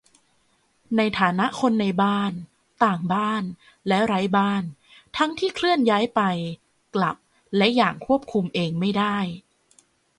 ในฐานะคนในบ้าน ต่างบ้าน และไร้บ้าน ทั้งที่เคลื่อนย้ายไป กลับ และอย่างควบคุมเองไม่ได้